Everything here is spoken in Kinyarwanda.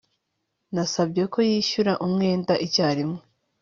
Nasabye ko yishyura umwenda icyarimwe